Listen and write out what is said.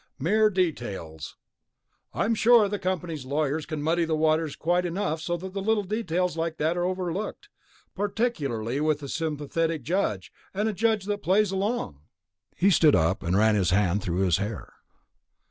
"Mere details. I'm sure that the company's lawyers can muddy the waters quite enough so that little details like that are overlooked. Particularly with a sympathetic jury and a judge that plays along." He stood up and ran his hand through his hair.